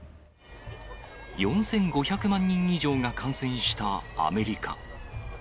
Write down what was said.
４５００万人以上が感染したアメリカ。